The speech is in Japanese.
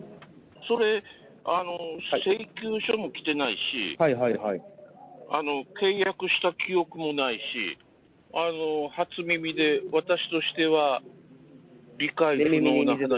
それ、請求書も来てないし、契約した記憶もないし、初耳で私としては、寝耳に水の？